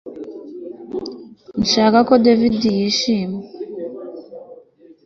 Ndashaka ko David yishima